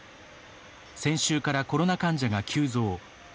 先週からコロナ患者が急増。